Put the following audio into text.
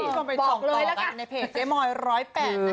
คุณคุณไปส่องต่อกันในเพจเจ๊มอย๑๐๘นะคะ